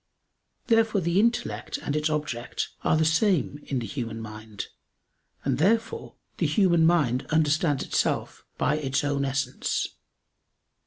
Therefore the intellect and its object are the same in the human mind; and therefore the human mind understands itself by its own essence.